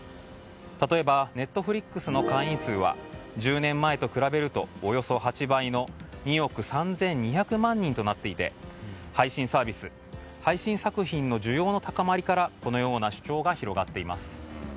例えばＮｅｔｆｌｉｘの会員数は１０年前と比べるとおよそ８倍の２億３２００万人となっていて配信サービス配信作品の需要の高まりからこのような主張が広がっています。